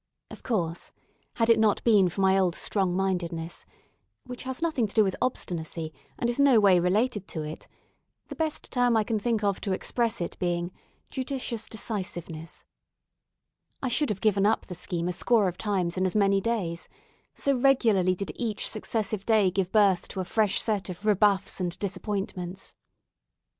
Of course, had it not been for my old strong mindedness (which has nothing to do with obstinacy, and is in no way related to it the best term I can think of to express it being "judicious decisiveness"), I should have given up the scheme a score of times in as many days; so regularly did each successive day give birth to a fresh set of rebuffs and disappointments.